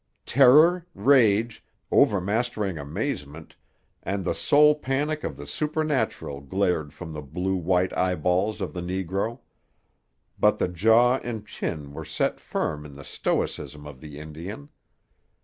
Terror, rage, overmastering amazement, and the soul panic of the supernatural glared from the blue white eyeballs of the negro; but the jaw and chin were set firm in the stoicism of the Indian.